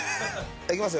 いきますよ。